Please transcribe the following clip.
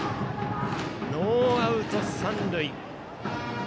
ノーアウト、三塁。